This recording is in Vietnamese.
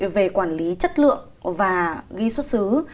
về quản lý chất lượng và ghi xuất xứ